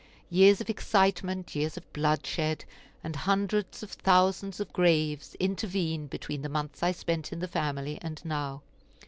Years of excitement, years of bloodshed, and hundreds of thousands of graves intervene between the months I spent in the family and now.